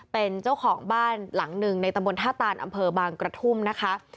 เป็นเจ้าของบ้านหลังหนึ่งในตำบลท่าตานอำเภอบางกระทุ่มนะคะ